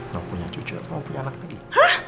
mau punya cucu atau mau punya anak lagi